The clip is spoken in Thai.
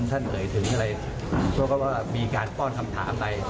ท่านเอ่ยถึงอะไรเพราะว่ามีการป้อนคำถามอะไร